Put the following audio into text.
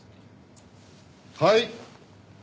はい。